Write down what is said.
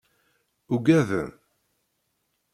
Ugaden.